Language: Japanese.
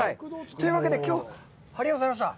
というわけで、きょうはありがとうございました。